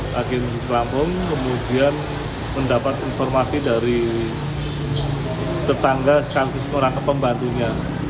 lagi mudik di lampung kemudian mendapat informasi dari tetangga sekaligus orang kepembantunya